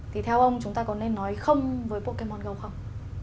thì theo ông chúng ta có nên nói không với pokemon go không